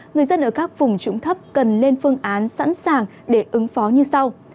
người dân ở các vùng trũng thấp cần lên phương án sẵn sàng để ứng phó như sau